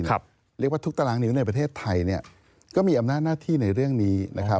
เรียกว่าทุกตารางนิ้วในประเทศไทยก็มีอำนาจหน้าที่ในเรื่องนี้นะครับ